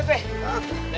amit ya be